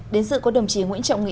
đến sự của đồng chí nguyễn trọng nghĩa